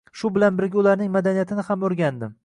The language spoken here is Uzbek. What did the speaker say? Shu bilan birga, ularning madaniyatini ham oʻrgandim.